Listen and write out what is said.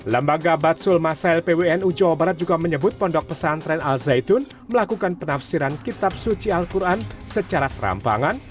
lembaga batsul masail pwnu jawa barat juga menyebut pondok pesantren al zaitun melakukan penafsiran kitab suci al quran secara serampangan